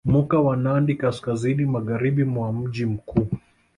Moka wa Nandi kaskazini magharibi mwa mji mkuu